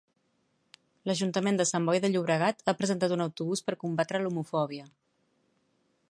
L'Ajuntament de Sant Boi de Llobregat ha presentat un autobús per combatre l'homofòbia.